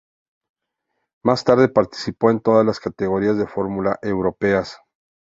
Más tarde participó en todas las categorías de fórmula europeas.